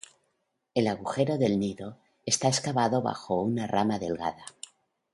El agujero del nido está excavado bajo una rama delgada.